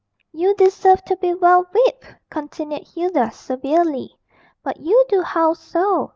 'You deserve to be well whipped,' continued Hilda, severely; 'but you do howl so.